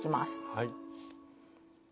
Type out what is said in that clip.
はい。